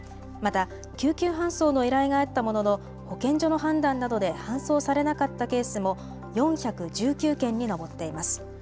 また、救急搬送の依頼があったものの保健所の判断などで搬送されなかったケースも４１９件に上っています。